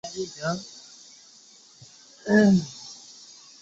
求米草粉虱为粉虱科草粉虱属下的一个种。